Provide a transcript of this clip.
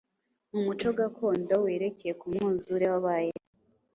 mu muco gakondo werekeye ku mwuzure wabayeho